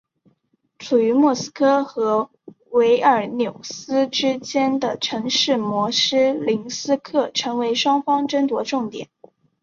处于莫斯科和维尔纽斯之间的城市斯摩棱斯克成为双方争夺重点。